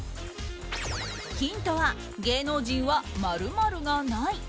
ヒントは、芸能人は○○がない。